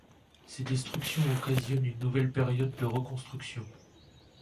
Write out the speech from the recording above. Ces destructions occasionnent une nouvelle période de reconstruction.